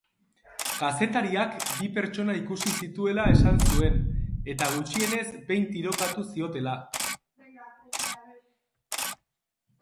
Kazetariak bi pertsona ikusi zituela esan zuen eta gutxienez behin tirokatu ziotela.